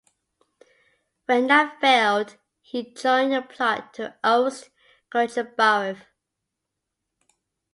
When that failed, he joined a plot to oust Gorbachev.